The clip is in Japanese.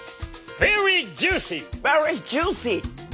ベリージューシー。